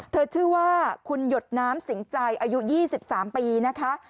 ชื่อว่าคุณหยดน้ำสิงใจอายุ๒๓ปีนะคะ